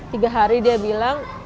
tiga hari dia bilang